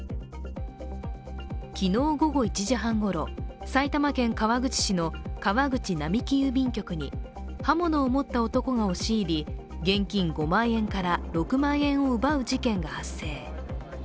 昨日午後１時半ごろ、埼玉県川口市の川口並木郵便局に刃物を持った男が押し入り現金５万円から６万円を奪う事件が発生。